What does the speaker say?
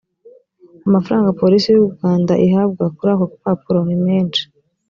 amafaranga police y’u rwanda ihabwa kuri ako gapapuro ni menshi